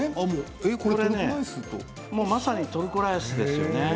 まさにトルコライスですよね。